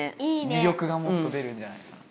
みりょくがもっと出るんじゃないかな。